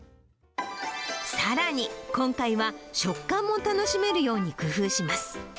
さらに、今回は食感も楽しめるように工夫します。